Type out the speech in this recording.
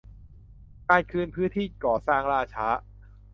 การคืนพื้นที่ก่อสร้างล่าช้า